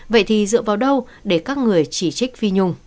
vậy thì dựa vào đâu để các người chỉ trích phi nhung